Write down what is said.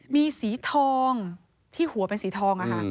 มีสีทองที่หัวเป็นสีทอง